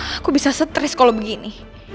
aku bisa stris kalau begini